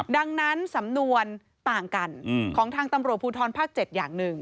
ดังนั้นสำนวนต่างกันของทางตำรวจภูทรภาค๗อย่างหนึ่ง